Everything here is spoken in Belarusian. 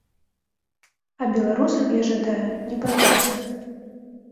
А беларусам я жадаю не баяцца.